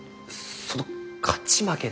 その勝ち負けでは。